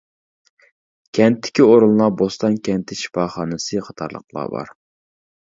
كەنتتىكى ئورۇنلار بوستان كەنتى شىپاخانىسى قاتارلىقلار بار.